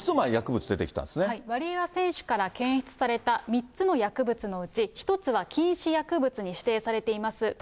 ３つ、ワリエワ選手から検出された３つの薬物のうち、１つは禁止薬物に指定されています